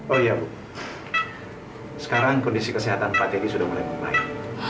oh iya bu sekarang kondisi kesehatan pak teddy sudah mulai membaik